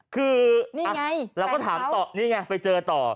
คือนี่ไงแฟนเขาเราก็ถามต่อนี่ไงไปเจอต่อ